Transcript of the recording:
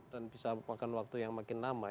bisa memakan waktu yang makin lama